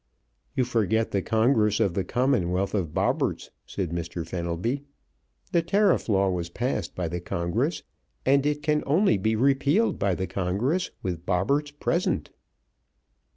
"You forget the Congress of the Commonwealth of Bobberts," said Mr. Fenelby. "The tariff law was passed by the congress, and it can only be repealed by the congress, with Bobberts present."